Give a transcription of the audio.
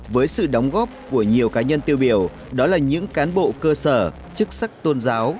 với sự đóng góp của nhiều cá nhân tiêu biểu đó là những cán bộ cơ sở chức sắc tôn giáo